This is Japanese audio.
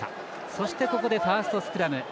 そしてファーストスクラム。